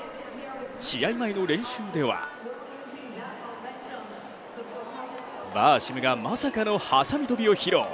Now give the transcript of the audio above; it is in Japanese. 試合前の練習ではバーシムがまさかのはさみ跳びを披露。